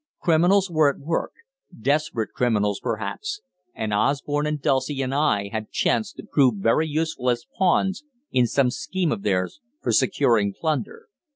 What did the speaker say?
Criminals were at work, desperate criminals, perhaps, and Osborne and Dulcie and I had chanced to prove very useful as pawns in some scheme of theirs for securing plunder.